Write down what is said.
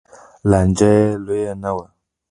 لانجه یې لویه نه وه